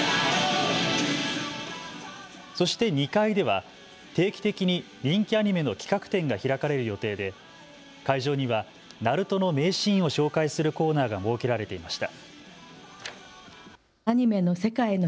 そして２階では定期的に人気アニメの企画展が開かれる予定で会場にはＮＡＲＵＴＯ−ナルト−の名シーンを紹介するコーナーが設けられていました。